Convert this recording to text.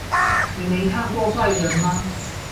你沒看過壞人嗎？